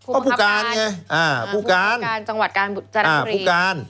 ก็ผู้การไงอ่าผู้การอ่าผู้การ